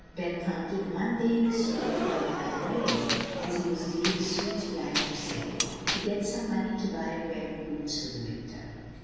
Ben found it one day in a swamp down by the meadow, as he was digging sweet flag to sell, to get some money to buy a pair of boots for the winter.